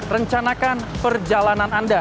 rencanakan perjalanan anda